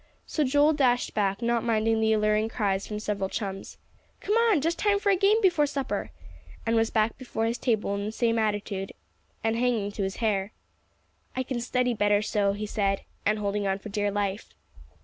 So Joel dashed back, not minding the alluring cries from several chums, "Come on just time for a game before supper," and was back before his table in the same attitude, and hanging to his hair. "I can study better so," he said, and holding on for dear life.